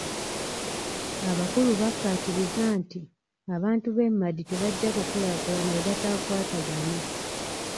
Abakulu bakkaatiriza nti abantu b'e Madi tebajja kukulaakulana bwe bataakwatagane.